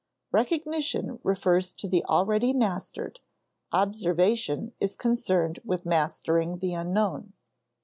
Recognition refers to the already mastered; observation is concerned with mastering the unknown.